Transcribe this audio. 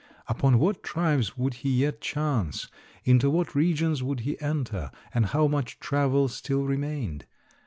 Upon what tribes would he yet chance, into what regions would he enter, and how much travel still remained?